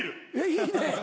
いいね。